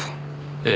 ええ。